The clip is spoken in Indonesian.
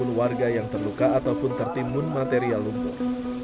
tentu pun warga yang terluka ataupun tertimun material lumpur